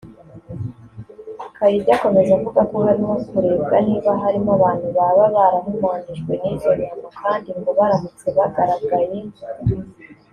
Kayigi akomeza avuga ko harimo kurebwa niba harimo abantu baba barahumanyijwe n’izo nyama kandi ngo baramutse bagaragaye